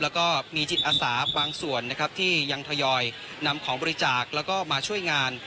แล้วก็มีจิตอาสาบางส่วนนะครับที่ยังทยอยนำของบริจาคแล้วก็มาช่วยงาน